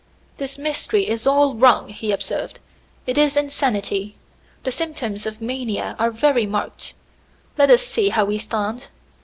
"This mystery is all wrong," he observed. "It is insanity. The symptoms of mania are very marked. Let us see how we stand.